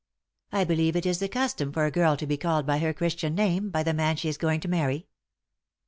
" I believe it is the custom for a girl to be called by her Christian name by the man she is going to marry."